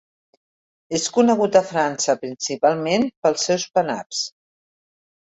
És conegut a França principalment pels seus pin-ups.